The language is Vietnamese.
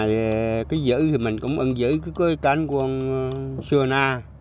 về cái giữ thì mình cũng ưng giữ cái cưới cánh của xưa na